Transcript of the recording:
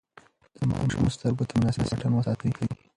د ماشوم سترګو ته مناسب واټن وساتئ.